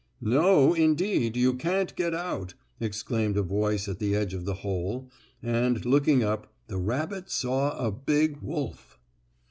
"No, indeed, you can't get out!" exclaimed a voice at the edge of the hole, and, looking up, the rabbit saw a big wolf.